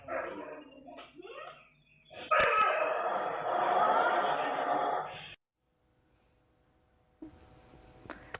คุณแจ่มัน